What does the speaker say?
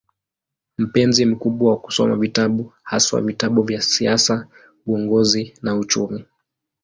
Mpenzi mkubwa wa kusoma vitabu, haswa vitabu vya siasa, uongozi na uchumi.